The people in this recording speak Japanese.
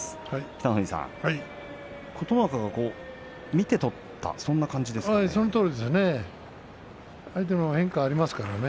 北の富士さん琴ノ若、見て取ったそのとおりですね。